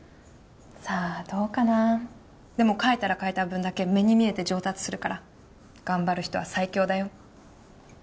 さあどうかなでも描いたら描いた分だけ目に見えて上達するから頑張る人は最強だよ